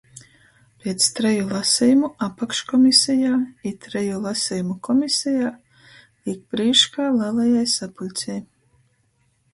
Piec treju lasejumu apakškomisejā i treju lasejumu komisejā līk prīškā lelajai sapuļcei.